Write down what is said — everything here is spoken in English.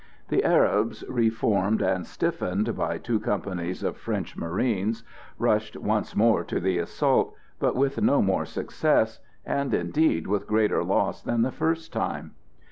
The Arabs, reformed and stiffened by two companies of French marines, rushed once more to the assault, but with no more success, and indeed with greater loss than the first time.